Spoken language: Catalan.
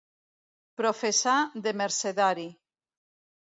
Professà de mercedari.